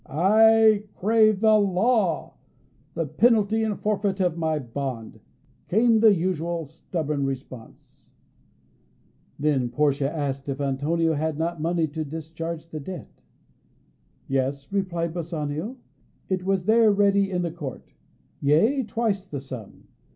"I crave the law, the penalty and forfeit of my bond," came the usual stubborn response. Then Portia asked if Antonio had not money to discharge the debt. Yes, replied Bassanio, it was there ready in the court yea, twice the sum.